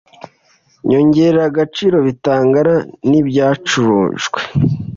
nyongeragaciro bitangana n ibyacurujwe